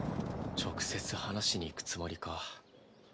直接話しに行くつもりか。